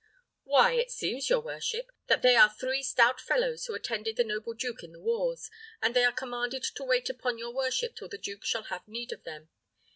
"Why, it seems, your worship, that they are three stout fellows who attended the noble duke in the wars, and they are commanded to wait upon your worship till the duke shall have need of them.